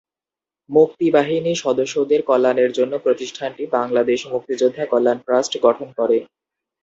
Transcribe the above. মুক্তিবাহিনী সদস্যদের কল্যাণের জন্য প্রতিষ্ঠানটি বাংলাদেশ মুক্তিযোদ্ধা কল্যাণ ট্রাস্ট গঠন করে।